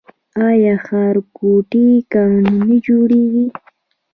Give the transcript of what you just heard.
آیا ښارګوټي قانوني جوړیږي؟